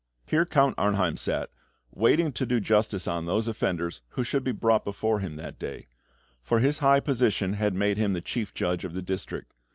Here Count Arnheim sat, waiting to do justice on those offenders who should be brought before him that day; for his high position had made him the Chief Judge of the district.